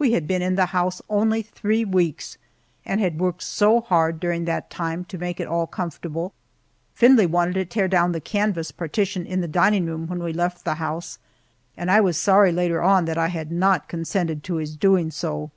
We had been in the house only three weeks and had worked so hard during that time to make it at all comfortable. Findlay wanted to tear down the canvas partition in the dining room when we left the house, and I was sorry later on that I had not consented to his doing so.